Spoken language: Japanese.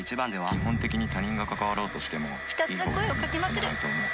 「基本的に他人が関わろうとしてもいい方向には進まないと思う」